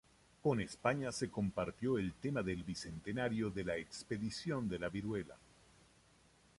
Con España se compartió el tema del Bicentenario de la Expedición de la Viruela.